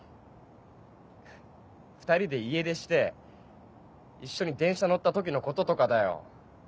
２人で家出して一緒に電車乗った時のこととかだよ。